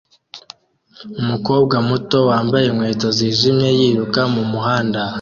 Umukobwa muto wambaye inkweto zijimye yiruka mumuhanda